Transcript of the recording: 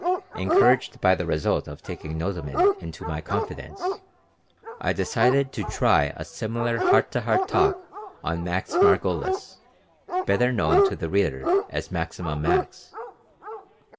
Encouraged by the result of taking Nodelman into my confidence, I decided to try a similar heart to heart talk on Max Margolis, better known to the reader as Maximum Max.